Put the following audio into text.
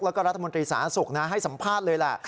แล้วก็รัฐมนตรีสาธารณสุขนะให้สัมภาษณ์เลยแหละ